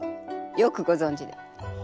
よくごぞんじで。